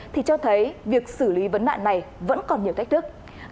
thì cho thấy việc xử lý vấn nạn này vẫn còn nhiều thách thức